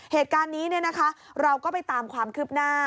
เหตุการณ์นี้เราก็ไปตามความคืบหน้า